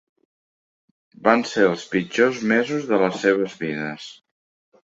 Van ser els pitjors mesos de les seves vides.